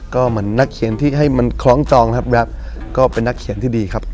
ก็เหมือนนักเขียนที่ให้มันคล้องจองนะครับแบบก็เป็นนักเขียนที่ดีครับ